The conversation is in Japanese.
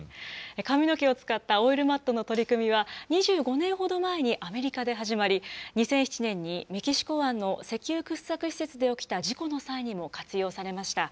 髪の毛を使ったオイルマットの取り組みは、２５年ほど前にアメリカで始まり、２００７年にメキシコ湾の石油掘削施設で起きた事故の際にも活用されました。